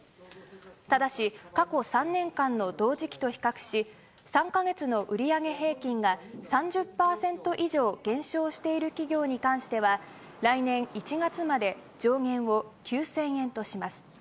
ただし、過去３年間の同時期と比較し、３か月の売り上げ平均が３０％以上減少している企業に関しては、来年１月まで上限を９０００円とします。